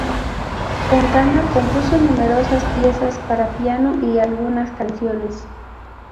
Fontana compuso numerosas piezas para piano y algunas canciones.